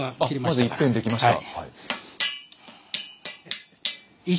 まず１辺できました。